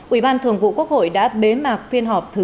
ủy ban thường vụ quốc hội đã bế mạc phiên họp thứ một mươi một